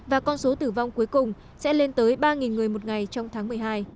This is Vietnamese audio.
và con số tử vong cuối cùng sẽ lên tới ba người một ngày trong tháng một mươi hai